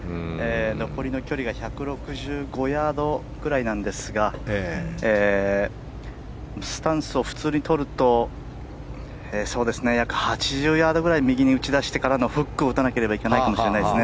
残りの距離が１６５ヤードくらいなんですがスタンスを普通にとると約８０ヤードくらい右に打ち出してからのフックを打たなければいけないかもしれないですね。